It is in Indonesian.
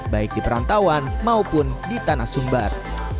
baik di perantauan maupun di tanah sumbar